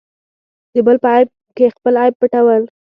د بل په عیب کې خپل عیب پټول.